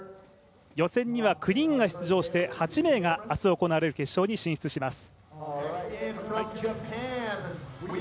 予選には９人が出場して、８名が明日行われる決勝に出場します。